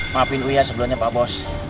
maafin iya sebelumnya pak bos